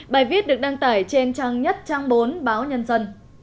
bài viết được đăng tải trên trang nhất trang bốn báo nhân dân